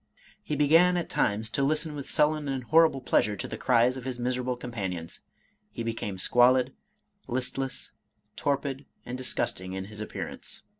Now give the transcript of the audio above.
He began at times to listen with sullen and horrible pleasure to the cries of his miserable companions. He be came squalid, listless, torpid, and disgusting in his appear ance.